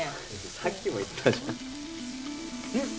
さっきも言ったじゃん